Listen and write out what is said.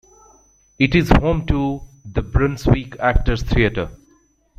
It is home to the Brunswick Actors' Theatre.